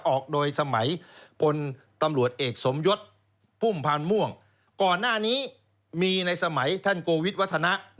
ออกโดยสมัยพลตำรวจเอกสมยศพุ่มพันธ์ม่วงก่อนหน้านี้มีในสมัยท่านโกวิทวัฒนะ